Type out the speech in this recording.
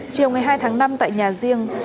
chiều ngày hai tháng năm tại nhà riêng